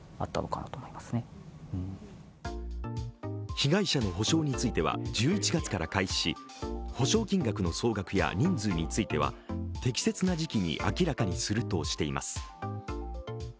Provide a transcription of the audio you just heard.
被害者の補償については１１月から開始し補償金額の総額や人数については適切な時期に明らかにするとしています。